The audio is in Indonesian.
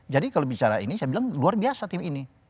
jadi kalau bicara ini saya bilang luar biasa tim ini